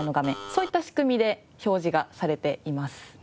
そういった仕組みで表示がされています。